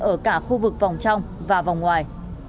ở cả khu vực vòng trong và vòng ngoài